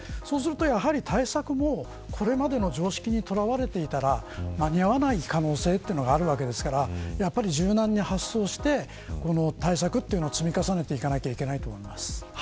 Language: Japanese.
そうすると対策もこれまでの常識にとらわれていたら間に合わない可能性があるわけですから柔軟に発想して対策を積み重ねていかないといけないと思います。